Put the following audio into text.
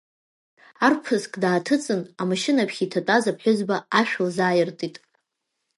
Арԥыск дааҭыҵын, амашьына аԥхьа иҭатәаз аԥҳәызба ашә лзааиртит.